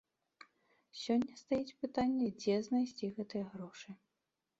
Сёння стаіць пытанне, дзе знайсці гэтыя грошы.